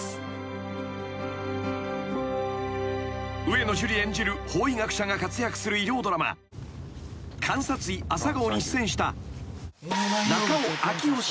［上野樹里演じる法医学者が活躍する医療ドラマ『監察医朝顔』に出演した中尾明慶の場合］